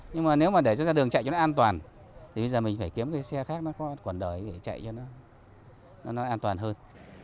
nhưng mà nếu mà để cho ra đường chạy cho nó an toàn thì bây giờ mình phải kiếm cái xe khác nó có quần đời để chạy cho nó an toàn hơn